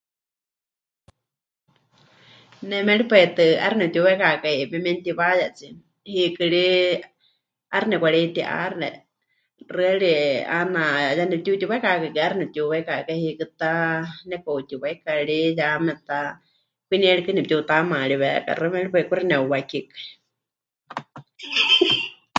Ne méripai tɨ 'aixɨ nepɨtiuwaikakai pemenutiwayatsie, hiikɨ ri 'aixɨ nepɨkareiti'axe, xɨari 'aana ya nemɨtiutiwaikakai 'aixɨ nepɨtiuwaikakai, hiikɨ ta nepɨka'utiwaika ri ya metá kwinie rikɨ nepɨtiutamaariwékaxɨa, méripai kuxi nepɨwakikai.